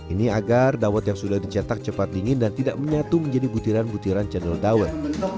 ini agar dawet yang sudah dicetak cepat dingin dan tidak menyatu menjadi butiran butiran cendol dawet